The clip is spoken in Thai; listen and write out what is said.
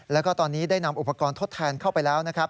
แล้วก็ตอนนี้ได้นำอุปกรณ์ทดแทนเข้าไปแล้วนะครับ